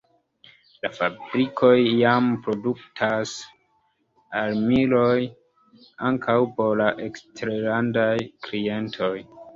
La fabrikoj jam produktas armilojn ankaŭ por la eksterlandaj klientoj.